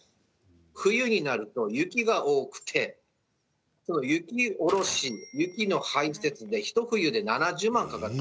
冬になると雪が多くてその雪おろし、雪の排雪で一冬で７０万かかると。